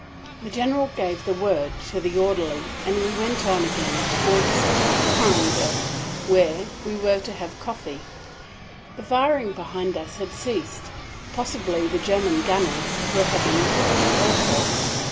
The General gave the word to the orderly and we went on again toward Poperinghe, where we were to have coffee. The firing behind us had ceased. Possibly the German gunners were having coffee also.